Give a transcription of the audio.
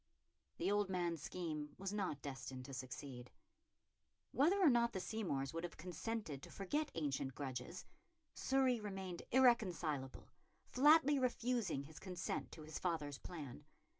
The old man's scheme was not destined to succeed. Whether or not the Seymours would have consented to forget ancient grudges, Surrey remained irreconcilable, flatly refusing his consent to his father's plan.